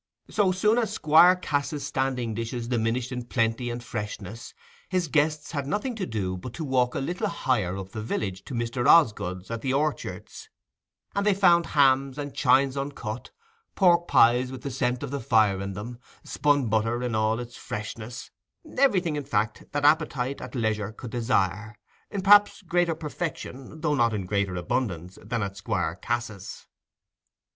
So soon as Squire Cass's standing dishes diminished in plenty and freshness, his guests had nothing to do but to walk a little higher up the village to Mr. Osgood's, at the Orchards, and they found hams and chines uncut, pork pies with the scent of the fire in them, spun butter in all its freshness—everything, in fact, that appetites at leisure could desire, in perhaps greater perfection, though not in greater abundance, than at Squire Cass's.